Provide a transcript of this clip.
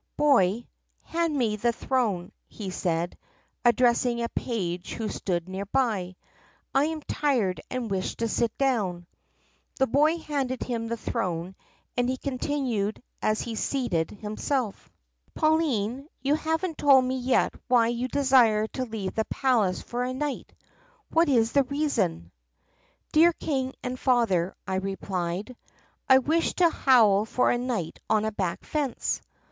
" 'Boy, hand me the throne,' he said, addressing a page who stood near by. 'I am tired and wish to sit down.' The boy handed him the throne and he continued as he seated himself : i6 THE PUSSYCAT PRINCESS "Pauline, you have n't told me yet why you desire to leave the palace for a night. What is the reason ?'" "Dear King and Father,' I replied, 'I wish to howl for a night on a back fence!